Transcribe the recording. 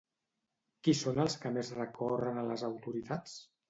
Qui són els que més recorren a les autoritats?